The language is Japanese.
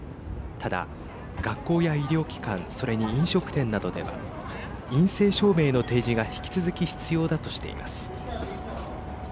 ただ、学校や医療機関それに飲食店などでは陰性証明の提示が引き続き必要だとしています。